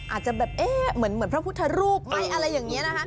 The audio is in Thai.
อาจจะแบบเอ๊ะเหมือนพระพุทธรูปไหมอะไรอย่างนี้นะคะ